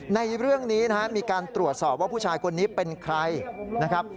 ในเรื่องนี้นะครับมีการตรวจสอบว่าผู้ชายคนนี้เป็นใครนะครับ